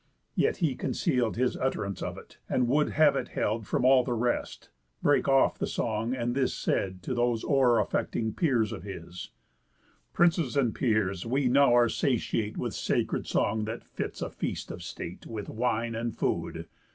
Yet he conceal'd His utt'rance of it, and would have it held From all the rest, brake off the song, and this Said to those oar affecting peers of his: "Princes, and peers! We now are satiate With sacred song that fits a feast of state, With wine and food.